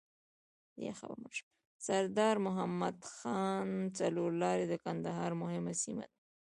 سردار مدد خان څلور لاری د کندهار مهمه سیمه ده.